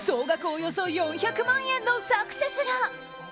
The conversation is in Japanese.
およそ４００万円のサクセスが。